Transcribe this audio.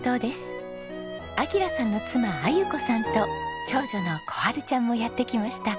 晶さんの妻亜由子さんと長女の小春ちゃんもやって来ました。